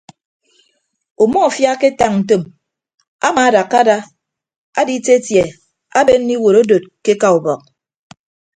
Umọfia aketañ ntom amaadakka ada aditietie abenne iwuud adod ke eka ubọk.